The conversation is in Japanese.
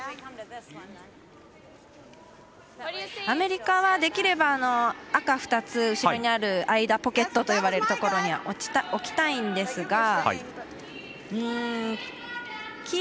アメリカは、できれば赤２つ、後ろにある間ポケットと呼ばれるところに置きたいんですが。